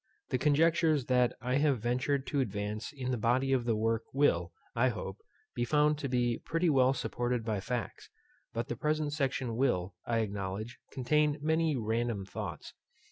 The conjectures that I have ventured to advance in the body of the work will, I hope, be found to be pretty well supported by facts; but the present section will, I acknowledge, contain many random thoughts.